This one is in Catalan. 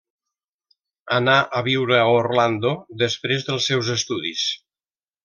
Anà a viure a Orlando després dels seus estudis.